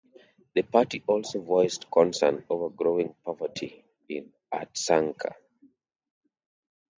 The party also voiced concern over growing poverty in Artsakh.